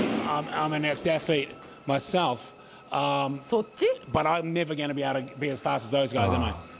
そっち？